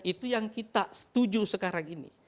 itu yang kita setuju sekarang ini